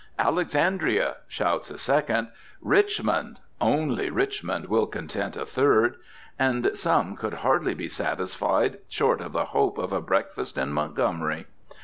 "Alexandria!" shouts a second. "Richmond!" only Richmond will content a third. And some could hardly be satisfied short of the hope of a breakfast in Montgomery.